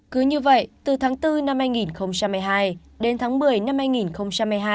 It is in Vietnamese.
cứ như vậy từ tháng bốn năm hai nghìn một mươi hai đến tháng một mươi năm hai nghìn hai mươi hai